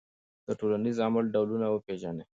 د ټولنیز عمل ډولونه وپېژنئ.